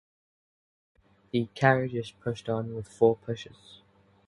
The carriage is pushed on with four pushers.